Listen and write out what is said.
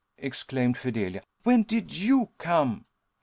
exclaimed Fidelia. "When did you come?"